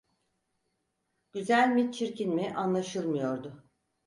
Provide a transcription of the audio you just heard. Güzel mi, çirkin mi anlaşılmıyordu.